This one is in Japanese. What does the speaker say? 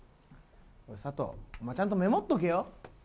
さとう、ちゃんとメモっとけよ！